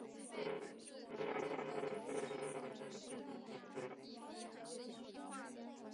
截基鸭绿乌头为毛茛科乌头属下的一个变种。